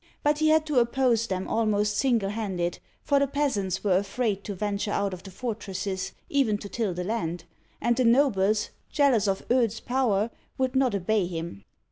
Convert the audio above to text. But he had to oppose them al most single handed, for the peasants were afraid to venture out of the fortresses, even to till the land, and the nobles, jealous of Eudes*s power, would not obey him.